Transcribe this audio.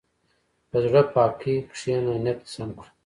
په زړه پاکۍ کښېنه، نیت سم کړه.